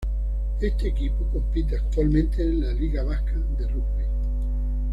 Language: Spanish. Este equipo compite actualmente en la liga vasca de rugby.